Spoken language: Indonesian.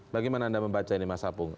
bagaimana anda membaca ini mas apung